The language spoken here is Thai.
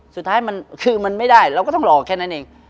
สุดท้ายมันคือมันไม่ได้เราก็ต้องรอแค่นั้นเอง